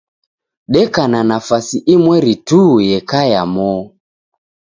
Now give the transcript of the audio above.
Deka na nafasi imweri tu yekaya moo.